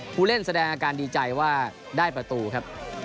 ผู้เล่นแสดงอาการดีใจว่าได้ประตูครับ